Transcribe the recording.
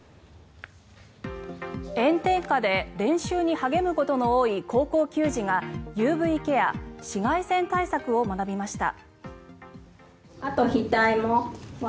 炎天下で練習に励むことの多い高校球児がＵＶケア、紫外線対策を学びました。